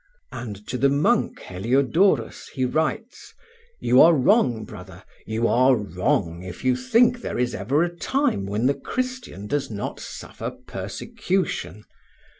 And to the monk Heliodorus he writes: "You are wrong, brother, you are wrong if you think there is ever a time when the Christian does not suffer persecution.